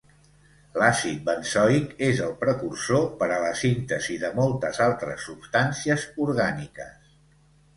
L'àcid benzoic és el precursor per a la síntesi de moltes altres substàncies orgàniques.